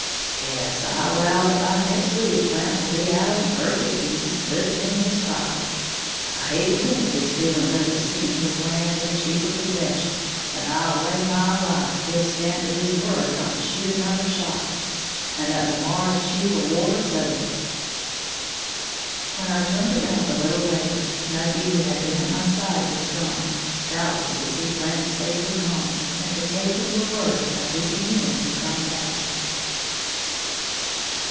Yes, I allow that by next week Blant will be out in perfect peace, putting in his crap. I hate to think of his feelings over seeing his land in Cheever possession; but I'll lay my life he'll stand to his word not to shoot another shot, and that the Marrs Cheever war is over." When I turned around a little later, Nucky, who had been at my side, was gone, doubtless to see Blant safely home, and to take him the word of his immunity from capture.